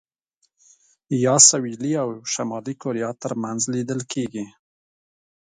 یا سوېلي او شمالي کوریا ترمنځ لیدل کېږي.